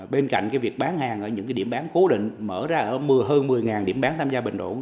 bên cạnh việc bán hàng ở những điểm bán cố định mở ra ở hơn một mươi điểm bán tham gia bình ổn